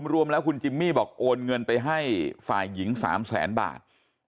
รวมแล้วคุณจิมมี่บอกโอนเงินไปให้ฝ่ายหญิง๓แสนบาท